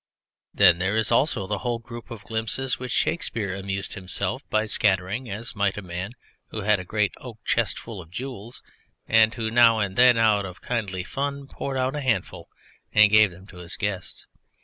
Then there is also the whole group of glimpses which Shakespeare amused himself by scattering as might a man who had a great oak chest full of jewels and who now and then, out of kindly fun, poured out a handful and gave them to his guests.